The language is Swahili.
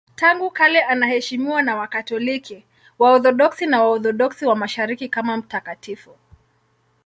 Tangu kale anaheshimiwa na Wakatoliki, Waorthodoksi na Waorthodoksi wa Mashariki kama mtakatifu.